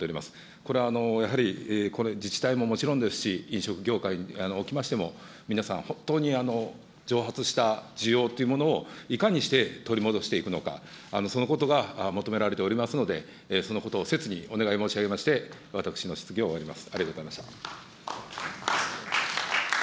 これやはり、自治体ももちろんですし、飲食業界におきましても、皆さん、本当に蒸発した需要というものをいかにして取り戻していくのか、そのことが求められておりますので、そのことをせつにお願い申し上げまして、私の質疑を終わります。